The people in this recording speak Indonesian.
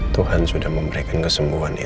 tuhan sudah memberikan kesembuhan ya